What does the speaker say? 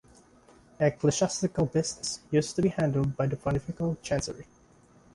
Ecclesiastical business used to be handled by the pontifical chancery.